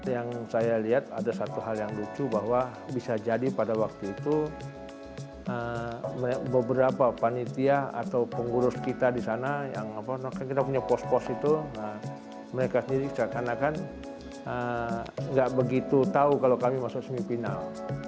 yang saya lihat ada satu hal yang lucu bahwa bisa jadi pada waktu itu beberapa panitia atau pengurus kita di sana yang kita punya pos pos itu mereka sendiri seakan akan nggak begitu tahu kalau kami masuk semifinal